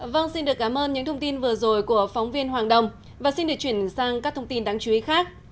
vâng xin được cảm ơn những thông tin vừa rồi của phóng viên hoàng đông và xin được chuyển sang các thông tin đáng chú ý khác